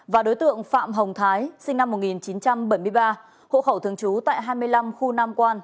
và đối tượng phạm hồng thái sinh năm một nghìn chín trăm bảy mươi ba hộ khẩu thường trú tại hai mươi năm khu nam quan